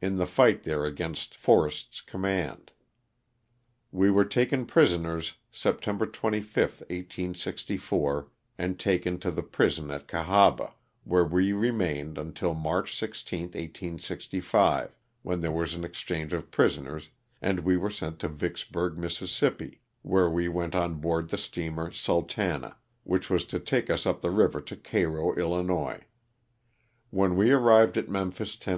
in the fight there against Forrest's command. We were taken prisoners September 25, 1864, and taken to the prison at Oahaba, where we remained until March 16, 1865, when there was an exchange of prisoners and we were sent to Vicksburg, Miss., where we went on board the steamer Sultana *' which was to take us up the river to Cairo, 111. When we arrived at Memphis, Tenn.